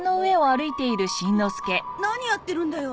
何やってるんだよ？